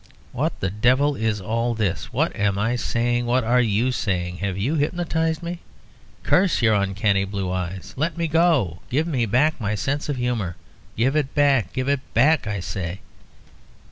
"What the devil is all this? What am I saying? What are you saying? Have you hypnotised me? Curse your uncanny blue eyes! Let me go. Give me back my sense of humour. Give it me back give it me back, I say!"